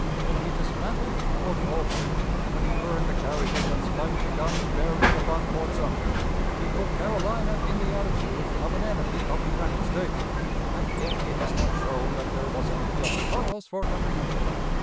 When he dismantled Fort Moultrie, when he burned the carriages and spiked the guns bearing upon Fort Sumter, he put Carolina in the attitude of an enemy of the United States; and yet he has not shown that there was any just cause for apprehension.